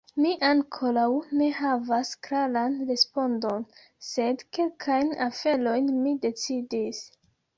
Mi ankoraŭ ne havas klaran respondon, sed kelkajn aferojn mi decidis.